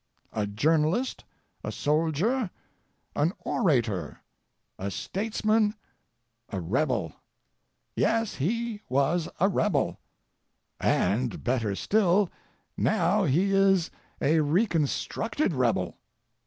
A journalist, a soldier, an orator, a statesman, a rebel. Yes, he was a rebel; and, better still, now he is a reconstructed rebel.